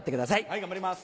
はい頑張ります！